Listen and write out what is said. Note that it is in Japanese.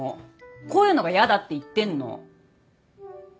こういうのが嫌だって言ってんの！